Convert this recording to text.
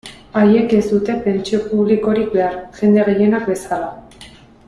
Haiek ez dute pentsio publikorik behar, jende gehienak bezala.